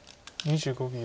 ２５秒。